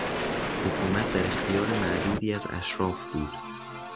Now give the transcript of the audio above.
حکومت در اختیار معدودی از اشراف بود.